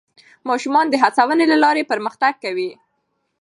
ماشومان د هڅونې له لارې پرمختګ کوي